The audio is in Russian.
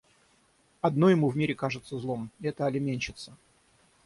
Одно ему в мире кажется злом — это алиментщица.